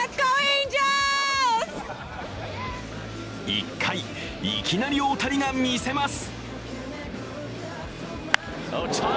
１回、いきなり大谷が見せます。